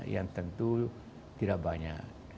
yang tentu tidak banyak